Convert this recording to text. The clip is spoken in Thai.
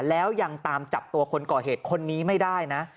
แล้วยังตามจับตัวคนก่อเหตุคนนี้ไม่ได้นะ